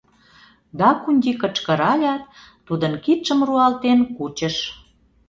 — Дакунти кычкыралят, тудын кидшым руалтен кучыш.